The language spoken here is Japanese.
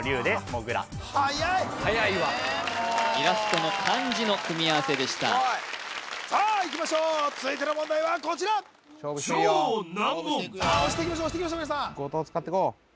もうイラストの漢字の組み合わせでしたさあいきましょう続いての問題はこちらさあ押してきましょう押してきましょう皆さん